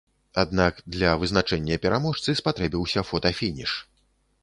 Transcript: Аднак для вызначэння пераможцы спатрэбіўся фотафініш.